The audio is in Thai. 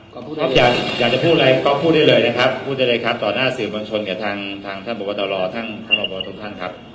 กรอฟพูดได้เลยครับกรอฟอยากจะพูดอะไรกรอฟพูดได้เลยนะครับพูดได้เลยครับต่อหน้าสื่อมวลชนกับทางท่านบกตรท่านบกตรท่านครับ